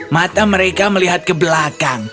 mata mereka melihat ke belakang